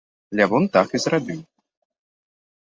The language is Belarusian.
Лявон так і зрабіў.